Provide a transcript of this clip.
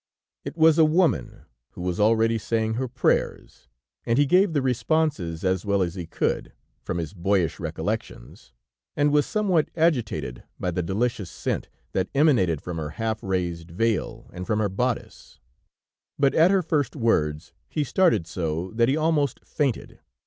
It was a woman, who was already saying her prayers and he gave the responses as well as he could, from his boyish recollections, and was somewhat agitated by the delicious scent that emanated from her half raised veil and from her bodice; but at her first words he started so, that he almost fainted.